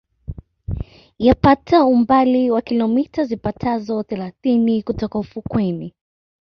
Yapata umbali wa kilomita zipatazo thelathini kutoka ufukweni